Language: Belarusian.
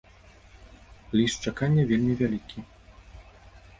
Ліст чакання вельмі вялікі.